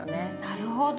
なるほど。